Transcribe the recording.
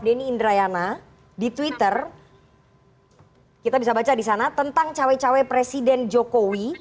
denny indrayana di twitter kita bisa baca di sana tentang cawe cawe presiden jokowi